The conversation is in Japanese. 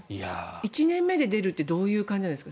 １年目で出るってどんな感じなんですか？